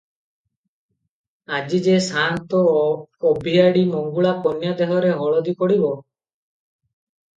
ଆଜି ଯେ ସାନ୍ତ ଅଭିଆଡ଼ି ମଙ୍ଗୁଳା, କନ୍ୟା ଦେହରେ ହଳଦୀ ପଡ଼ିବ ।